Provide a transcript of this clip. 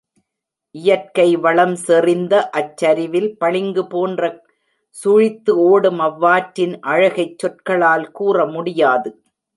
இயற்கைவளம் செறிந்த அச்சரிவில், பளிங்கு போல் சுழித்து ஓடும் அவ்வாற்றின் அழகைச் சொற்களால் கூறமுடியாது.